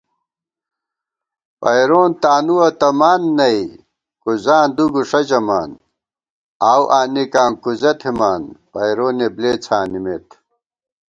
پئیرون تانُوَہ تمان نئ کُزاں دُو گُݭہ ژَمان * آؤو آنِکاں کُزہ تھِمان پئیرونےبۡلےڅھانِمېت